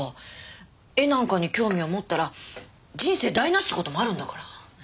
絵なんかに興味を持ったら人生台無しって事もあるんだから。